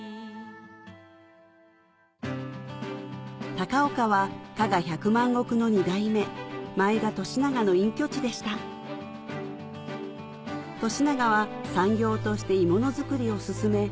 高岡は加賀百万石の２代目前田利長の隠居地でした利長は産業として鋳物づくりを勧め